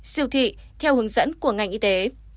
siêu thị theo hướng dẫn của ngành y tế